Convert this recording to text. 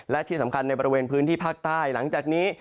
และที่สำคัญในบริเวณพื้นที่ภาคใต้หลังจากนี้